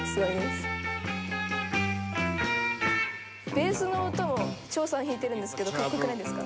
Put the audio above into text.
「ベースの音も長さん弾いてるんですけど格好良くないですか？」